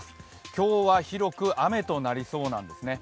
今日は広く雨となりそうなんですね。